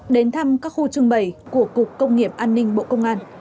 đến thăm các khu trưng bày của cục công nghiệp an ninh bộ công an